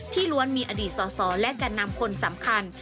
ล้วนมีอดีตสอสอและแก่นำคนสำคัญ